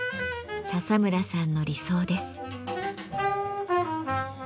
笹村さんの理想です。